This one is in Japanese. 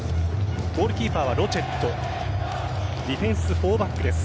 ゴールキーパーはロチェットディフェンス、４バックです。